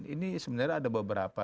ini sebenarnya ada beberapa